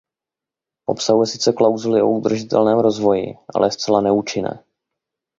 Obsahuje sice klauzuli o udržitelném rozvoji, ale je zcela neúčinné.